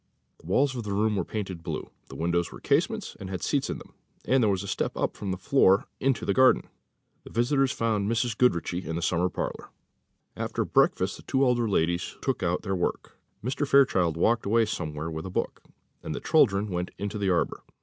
The walls of the room were painted blue, the windows were casements, and had seats in them, and there was a step up from the floor into the garden. The visitors found Mrs. Goodriche in this summer parlour. After breakfast the two elder ladies took out their work. Mr. Fairchild walked away somewhere with a book, and the children went into the arbour.